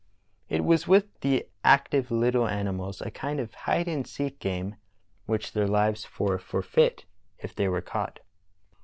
It was with the active little animals a kind of hide and seek game, with their lives for forfeit if they were caught.